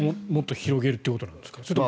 もっと広げるということですか。